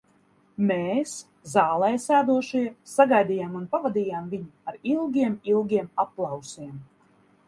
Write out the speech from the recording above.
Mēs, zālē sēdošie, sagaidījām un pavadījām viņu ar ilgiem, ilgiem aplausiem.